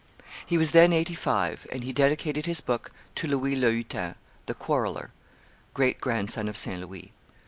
He was then eighty five, and he dedicated his book to Louis le Hutin (the quarreller), great grandson of St. Louis.